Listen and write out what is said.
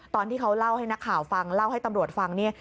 ตอนที่เขาเล่าให้นักข่าวฟังเล่าให้ตำรวจฟังเนี่ย